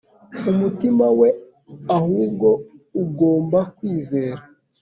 umutima we ahubwo agomba kwizera